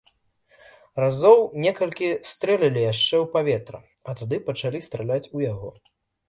Разоў некалькі стрэлілі яшчэ ў паветра, а тады пачалі страляць у яго.